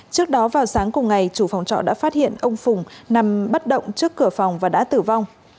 trước đó vào sáng cùng ngày chủ phòng trọ đã phát hiện ông phùng nằm bất động trước cửa phòng và đã tử vong